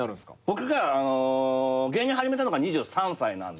僕が芸人始めたのが２３歳なんで。